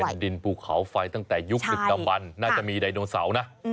เป็นดินภูเขาไฟตั้งแต่ยุค๑ตะบันน่าจะมีไดโนเสาร์นะ